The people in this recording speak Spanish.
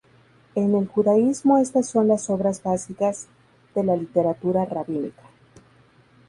En el judaísmo estas son las obras básicas de la literatura rabínica.